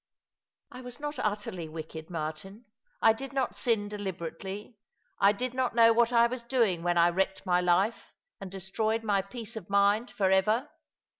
"I was not utterly wicked, Martin. I did not sin deliberately — I did not know what I was doing when I wrecked my life and destroyed my peace of mind for ever.